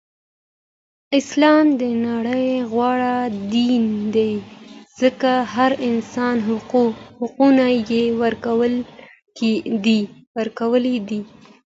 اسلام د نړی غوره دین دی ځکه د هر انسان حقوق یی ورکړی دی.